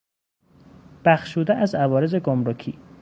بخشوده از عوارض گمرکی